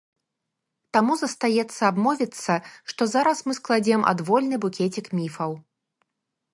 Таму застаецца абмовіцца, што зараз мы складзем адвольны букецік міфаў.